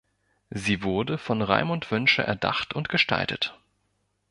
Sie wurde von Raimund Wünsche erdacht und gestaltet.